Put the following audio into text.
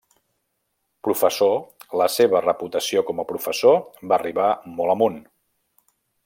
Professor, la seva reputació com a professor va arribar molt amunt.